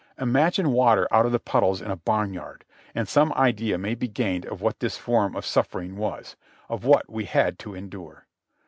Imagine water out of the puddles in a barnyard, and some idea may be gained of what this form of suffering was — of what we had to endure.